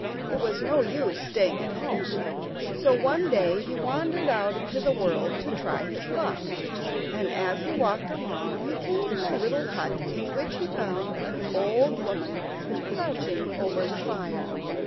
It was no use staying at home, so one day he wandered out into the world to try his luck, and as he walked along he came to a little hut in which he found an old woman crouching over the fire.